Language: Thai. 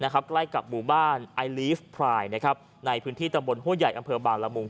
ใกล้กับหมู่บ้านไอลีฟพลายในพื้นที่ตำบลหัวใหญ่อำเภอบางละมุง